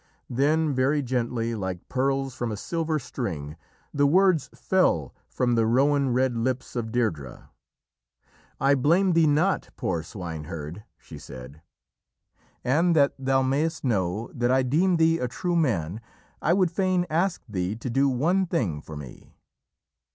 Then, very gently, like pearls from a silver string, the words fell from the rowan red lips of Deirdrê: "I blame thee not, poor swineherd," she said, "and that thou mayst know that I deem thee a true man, I would fain ask thee to do one thing for me."